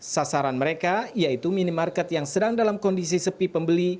sasaran mereka yaitu minimarket yang sedang dalam kondisi sepi pembeli